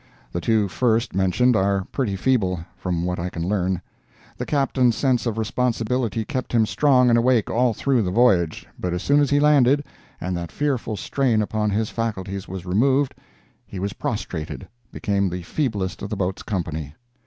The two first mentioned are pretty feeble, from what I can learn. The Captain's sense of responsibility kept him strong and awake all through the voyage; but as soon as he landed, and that fearful strain upon his faculties was removed, he was prostrated—became the feeblest of the boat's company.